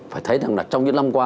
phải thấy rằng là trong những năm qua